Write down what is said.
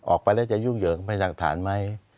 ออกไปแล้วจะยุ่งเหยิงไปจากฐานไหม